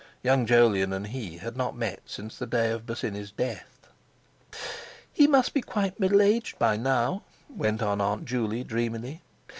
Young Jolyon and he had not met since the day of Bosinney's death. "He must be quite middle aged by now," went on Aunt Juley dreamily.